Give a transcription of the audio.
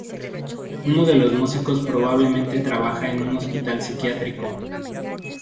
Uno de los músicos probablemente trabajaba en un hospital psiquiátrico.